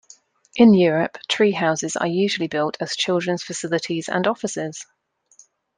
In Europe treehouses are usually built as children's facilities and offices.